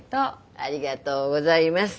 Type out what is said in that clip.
ありがとうございます。